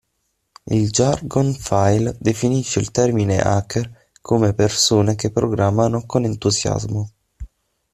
Il Jargon File definisce il termine hacker come persone che programmano con entusiasmo.